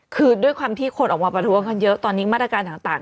คือด้วยความที่คนออกมาประท้วงกันเยอะตอนนี้มาตรการต่าง